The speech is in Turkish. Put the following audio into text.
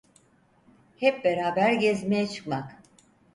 Hep beraber gezmeye çıkmak…